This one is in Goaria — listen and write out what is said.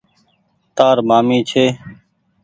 تآر مآمي ڇي۔